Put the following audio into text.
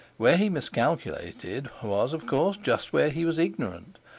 Where he miscalculated was, of course, just where he was ignorant.